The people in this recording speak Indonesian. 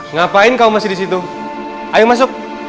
ngapain kau masih di situ ayo masuk